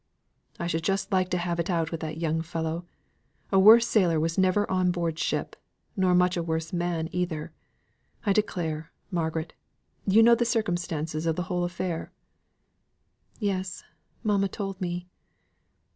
"I should just like to have it out with that young fellow. A worse sailor was never on board ship nor a much worse man either. I declare, Margaret you know the circumstances of the whole affair?" "Yes, mamma told me."